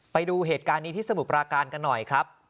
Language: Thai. ไปดูเหตุการณ์นี้ที่สมุทรปราการกันหน่อยครับ